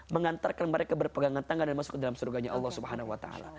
mengantarkan mereka berpegangan tangan dan masuk ke dalam surganya allah swt